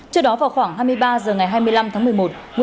trước đó vào khoảng hai mươi ba h ngày hai mươi năm tháng một mươi một